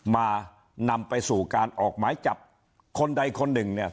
นำไปสู่การออกหมายจับคนใดคนหนึ่งเนี่ย